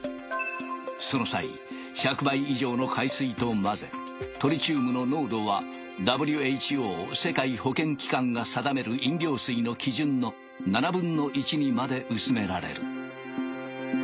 その際１００倍以上の海水と混ぜトリチウムの濃度はＷＨＯ世界保健機関が定める飲料水の基準の７分の１にまで薄められる。